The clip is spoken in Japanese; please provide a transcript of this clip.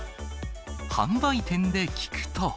販売店で聞くと。